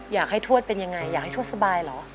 อยากให้ทวดเป็นยังไงอยากให้ทวดสบายเหรอ